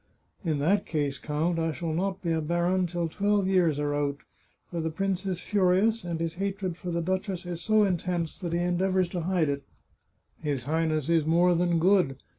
" In that case, count, I shall not be a baron till twelve years are out, for the prince is furious, and his hatred for the duchess is so intense that he endeavours to hide it." " His Highness is more than good.